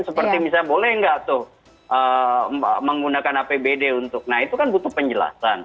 seperti misalnya boleh nggak tuh menggunakan apbd untuk nah itu kan butuh penjelasan